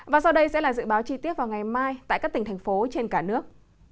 và sau đây sẽ là dự báo chi tiết vào ngày mai tại các tỉnh thành phố trên cả nước